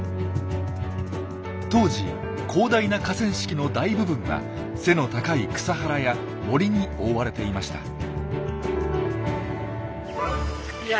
当時広大な河川敷の大部分は背の高い草原や森に覆われていました。